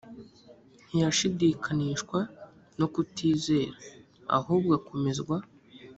ntiyashidikanishwa no kutizera ahubwo akomezwa